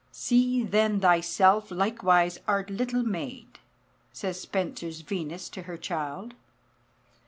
"See then thy selfe likewise art lyttle made," says Spenser's Venus to her child.